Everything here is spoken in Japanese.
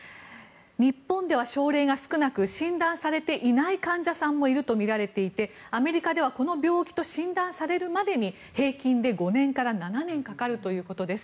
日本では症例が少なく診断されていない患者さんもいるとみられていてアメリカではこの病気と診断されるまでに平均で５年から７年かかるということです。